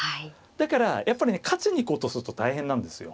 だからやっぱりね勝ちに行こうとすると大変なんですよ。